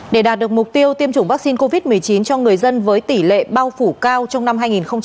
để đạt được mục tiêu tiêm chủng vaccine covid một mươi chín cho người dân với tỷ lệ bao phủ cao trong năm hai nghìn hai mươi